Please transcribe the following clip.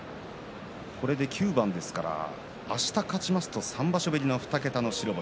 これで９番ですからあした勝ちますと、３場所ぶりの２桁白星。